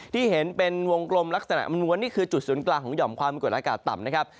ที่เห็นเป็นวงกลมลักษณะนวลนี่คือจุดศูนย์กลางของหย่อมความกดอากาศต่ำนะครับ